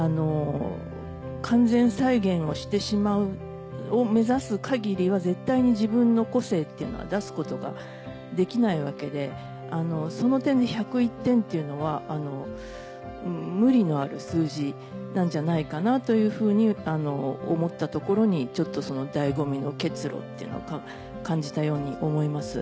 完全再現を目指す限りは絶対に自分の個性っていうのは出すことができないわけでその点で１０１点っていうのは無理のある数字なんじゃないかなというふうに思ったところにちょっと醍醐味のケツロっていうのを感じたように思います。